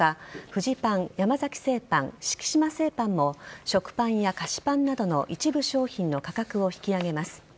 フジパン、山崎製パン敷島製パンも食パンや菓子パンなどの一部商品の価格を引き上げます。